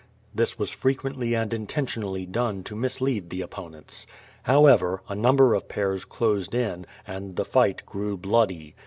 This was frequently and intentionally done to mislead the oppo nents. However, a number of pairs closed in, and the fight grew bloody.